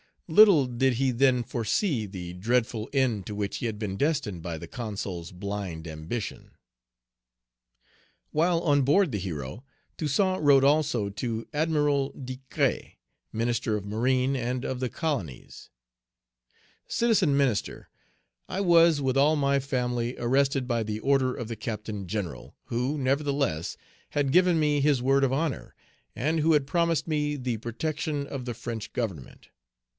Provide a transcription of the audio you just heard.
Little did he then foresee the dreadful end to which he had been destined by the Consul's blind ambition. While on board the Hero, Toussaint wrote also to Admiral Décrès, Minister of Marine and of the Colonies: "CITIZEN MINISTER: I was, with all my family, arrested by the order of the Captain General, who, nevertheless, had given me his word of honor, and who had promised me the protection of the French Government.